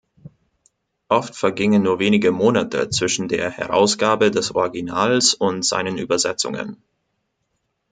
Oft vergingen nur wenige Monate zwischen der Herausgabe des Originals und seinen Übersetzungen.